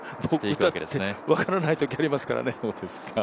僕だって分からないときがありますからね。